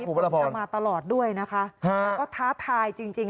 ผู้ประตาภรณ์มาตลอดด้วยนะคะฮะแล้วก็ท้าทายจริงจริง